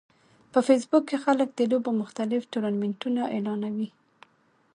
په فېسبوک کې خلک د لوبو مختلف ټورنمنټونه اعلانوي